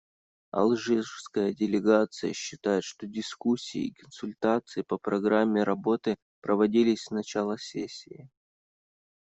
Алжирская делегация считает, что дискуссии и консультации по программе работы проводились с начала сессии.